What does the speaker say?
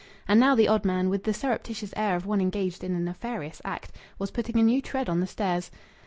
And now the odd man, with the surreptitious air of one engaged in a nefarious act, was putting a new tread on the stairs.